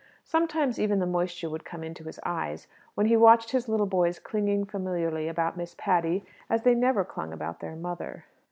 Sometimes even the moisture would come into his eyes when he watched his little boys clinging familiarly about Miss Patty as they never clung about their mother.